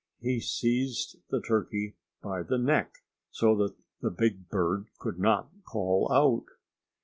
He seized the turkey by the neck, so that the big bird could not call out.